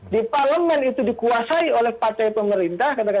di parlemen itu dikuasai oleh partai pemerintah